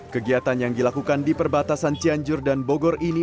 kegiatan yang dilakukan di perbatasan cianjur dan bogor ini